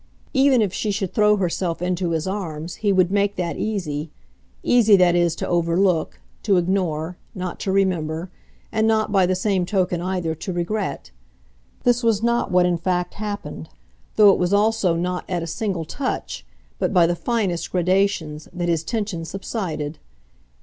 Even if she should throw herself into his arms he would make that easy easy, that is, to overlook, to ignore, not to remember, and not, by the same token, either, to regret. This was not what in fact happened, though it was also not at a single touch, but by the finest gradations, that his tension subsided.